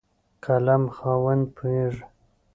قلم خاوند پوهېږي.